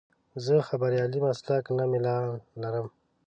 زه د خبریالۍ مسلک ته میلان لرم.